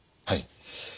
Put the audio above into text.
はい。